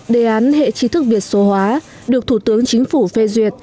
đề án hệ chi thức việt số hóa được thủ tướng chính phủ phê duyệt